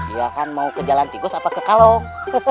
iya kan mau ke jalan tikus apa ke kalong